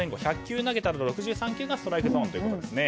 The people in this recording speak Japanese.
１００球投げて６３球がストライクゾーンということですね。